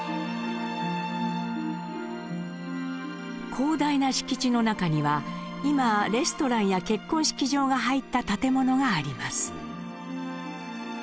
広大な敷地の中には今レストランや結婚式場が入った建物があります。